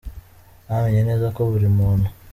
Namenye neza ko buri muntu